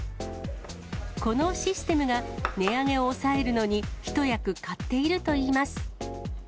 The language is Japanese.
このシステムが、値上げを抑えるのに、一役買っているといいます。